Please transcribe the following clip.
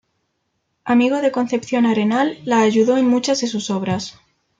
Amigo de Concepción Arenal, la ayudó en muchas de sus obras.